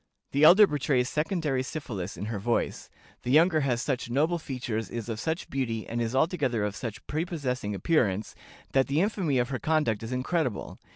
The elder betrays secondary syphilis in her voice; the younger has such noble features, is of such beauty, and is altogether of such prepossessing appearance, that the infamy of her conduct is incredible.